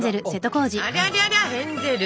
ありゃりゃりゃヘンゼル